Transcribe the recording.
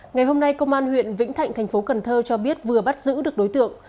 ngày hôm nay công an huyện vĩnh thạnh thành phố cần thơ cho biết vừa bắt giữ được đối tượng